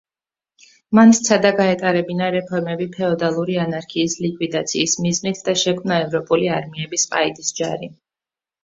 მან სცადა გაეტარებინა რეფორმები ფეოდალური ანარქიის ლიკვიდაციის მიზნით და შექმნა ევროპული არმიების ყაიდის ჯარი.